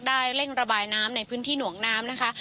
ได้เล่นระบายน้ำในพื้นที่หนวงน้ำ